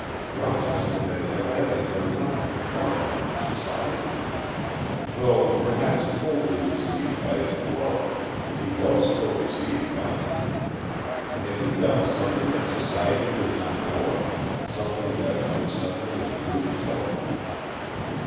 Rochester had evidently done nothing to bar him from society. Though perhaps coldly received by his club, he was still received by it. Had he done something that society did not know of, something that might suddenly obtrude itself?